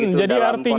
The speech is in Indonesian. mas gun jadi artinya